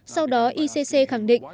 sau đó icc khẳng định